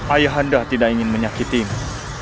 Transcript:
ayah anda tidak ingin menyakitimu